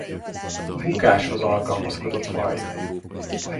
Bukáshoz alkalmazkodott faj.